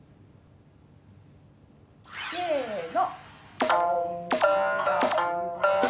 せの。